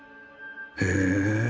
へえ。